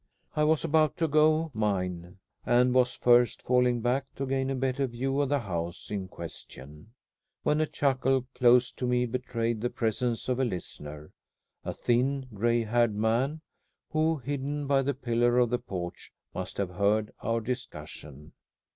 I was about to go mine, and was first falling back to gain a better view of the house in question, when a chuckle close to me betrayed the presence of a listener, a thin, gray haired man, who, hidden by a pillar of the porch, must have heard our discussion.